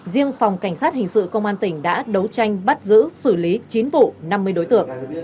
riêng phòng cảnh sát hình sự công an tỉnh đã đấu tranh bắt giữ xử lý chín vụ năm mươi đối tượng